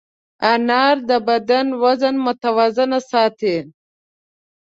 انار د بدن وزن متوازن ساتي.